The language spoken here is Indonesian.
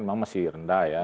memang masih rendah ya